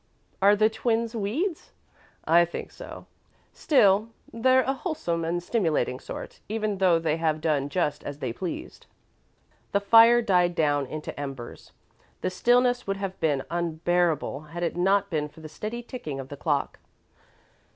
"Are the twins weeds?" "I think so. Still, they're a wholesome and stimulating sort, even though they have done just as they pleased." The fire died down into embers. The stillness would have been unbearable had it not been for the steady ticking of the clock.